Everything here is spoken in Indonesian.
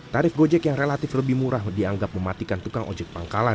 tarif gojek yang relatif lebih murah dianggap mematikan tukang ojek pangkalan